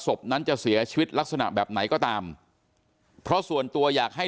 ศพนั้นจะเสียชีวิตลักษณะแบบไหนก็ตามเพราะส่วนตัวอยากให้